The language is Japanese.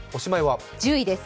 １０位です。